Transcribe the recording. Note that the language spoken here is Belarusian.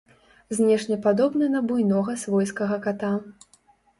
Знешне падобны на буйнога свойскага ката.